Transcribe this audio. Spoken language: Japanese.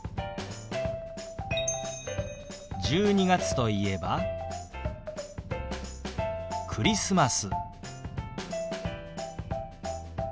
１２月といえば「クリスマス」。